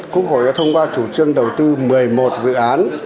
quốc hội đã thông qua chủ trương đầu tư một mươi một dự án